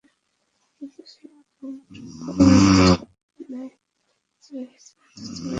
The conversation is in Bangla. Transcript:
কিন্তু সেই ঘোমটাটুকু মৃত্যুর ন্যায় চিরস্থায়ী, অথচ মৃত্যুর অপেক্ষা যন্ত্রণাদায়ক।